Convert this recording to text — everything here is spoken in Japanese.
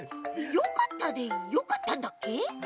よかったでよかったんだっけ？